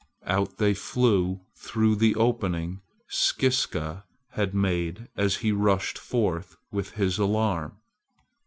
Out they flew through the opening Skiska had made as he rushed forth with his alarm.